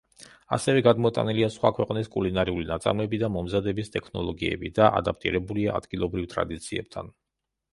ასევე, გადმოტანილია სხვა ქვეყნის კულინარიული ნაწარმები და მომზადების ტექნოლოგიები, და ადაპტირებულია ადგილობრივ ტრადიციებთან.